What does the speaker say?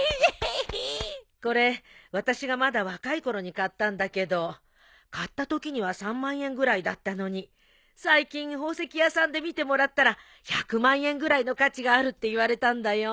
これ私がまだ若いころに買ったんだけど買ったときには３万円ぐらいだったのに最近宝石屋さんで見てもらったら１００万円ぐらいの価値があるって言われたんだよ。